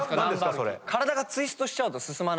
それ。